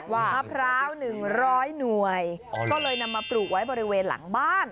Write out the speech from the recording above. มะพร้าว๑๐๐หน่วยก็เลยนำมาปลูกไว้บริเวณหลังบ้าน